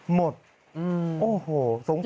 หมดโอ้โฮสงสารจริงครับ